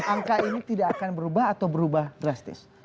angka ini tidak akan berubah atau berubah drastis